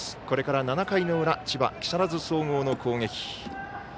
これから７回の裏千葉・木更津総合の攻撃。